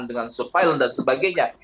dengan surveillance dan sebagainya